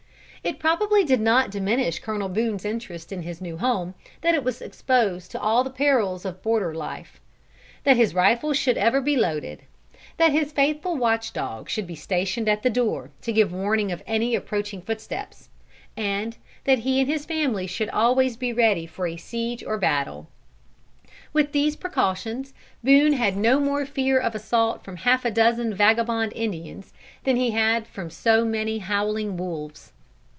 It probably did not diminish Colonel Boone's interest in his new home, that it was exposed to all the perils of border life; that his rifle should be ever loaded; that his faithful watch dog should be stationed at the door, to give warning of any approaching footsteps; and that he and his family should always be ready for a siege or battle. With these precautions, Boone had no more fear of assault from half a dozen vagabond Indians, than he had from so many howling wolves.